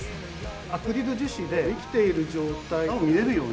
アクリル樹脂で生きている状態を見れるように。